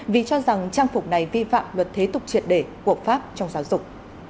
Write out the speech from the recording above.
vì cho rằng trang phục này vi phạm luật thế tục triệt để của pháp trong giáo dục